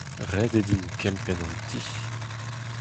Ret eo din kempenn an ti.